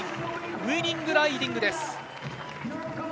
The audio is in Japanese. ウイニングライディングです。